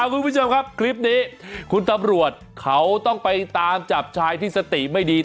คุณผู้ชมครับคลิปนี้คุณตำรวจเขาต้องไปตามจับชายที่สติไม่ดี